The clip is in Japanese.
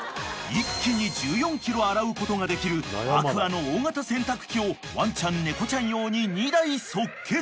［一気に１４ｋｇ洗うことができるＡＱＵＡの大型洗濯機をワンちゃん猫ちゃん用に２台即決］